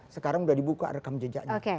sekarang sudah dibuka rekam jejaknya